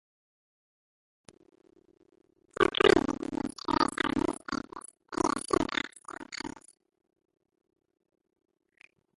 Joe Coyne began his career selling newspapers, but he was soon caught stealing pennies.